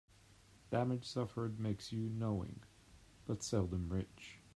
Damage suffered makes you knowing, but seldom rich.